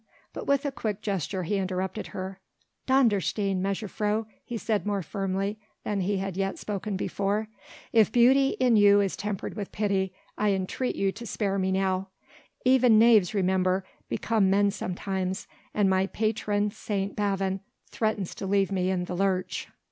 But with a quick gesture he interrupted her. "Dondersteen, mejuffrouw," he said more firmly than he had yet spoken before, "if beauty in you is tempered with pity, I entreat you to spare me now: even knaves remember become men sometimes and my patron Saint Bavon threatens to leave me in the lurch."